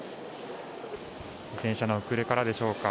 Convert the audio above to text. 電車の遅れからでしょうか。